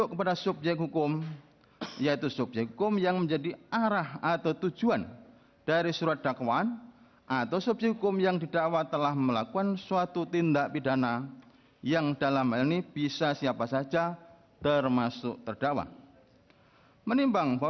kepulauan seribu kepulauan seribu